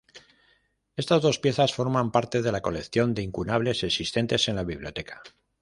Estas dos piezas forman parte de la colección de incunables existentes en la Biblioteca.